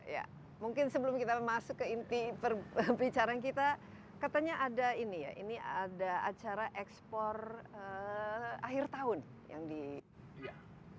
ya mungkin sebelum kita masuk ke inti perbicaraan kita katanya ada ini ya ini ada acara ekspor akhir tahun yang diberikan